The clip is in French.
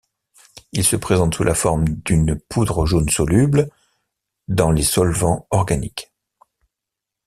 Il se présente sous la forme d'une poudre jaune soluble dans les solvants organiques.